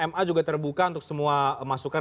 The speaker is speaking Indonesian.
ma juga terbuka untuk semua masukan